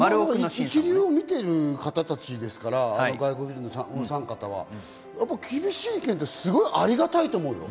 一流を見ている方たちですから、外国人のお三方は厳しい意見ってすごいありがたいと思う。